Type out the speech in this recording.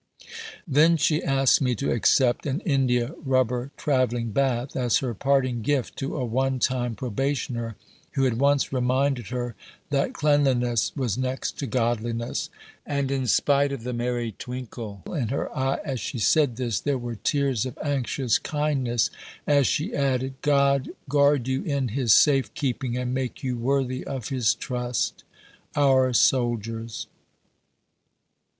Then she asked me to accept an india rubber travelling bath as "her parting gift to a one time probationer who had once reminded her that cleanliness was next to Godliness," and in spite of the merry twinkle in her eye as she said this, there were tears of anxious kindness as she added, "God guard you in His safe keeping and make you worthy of His trust our soldiers."